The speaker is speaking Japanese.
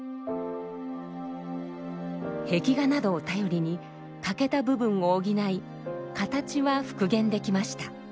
壁画などを頼りに欠けた部分を補い形は復元できました。